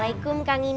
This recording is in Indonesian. kau ketemu kang imin